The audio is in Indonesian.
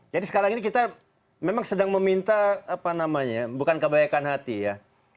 jadi sekarang ini kita memang sedang meminta apa namanya bukan kebayaan hati ya